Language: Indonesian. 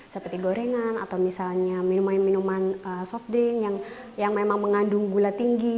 seperti gorengan atau misalnya minuman minuman soft ding yang memang mengandung gula tinggi